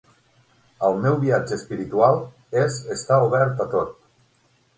El meu viatge espiritual és estar obert a tot.